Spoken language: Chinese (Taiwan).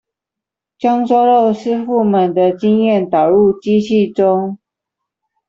將抓漏師傅們的經驗導入機器中